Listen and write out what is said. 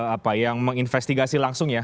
apa yang menginvestigasi langsung ya